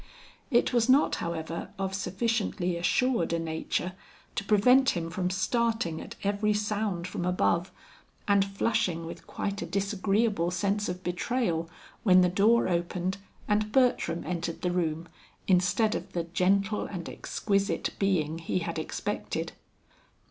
It was not, however, of sufficiently assured a nature to prevent him from starting at every sound from above, and flushing with quite a disagreeable sense of betrayal when the door opened and Bertram entered the room, instead of the gentle and exquisite being he had expected.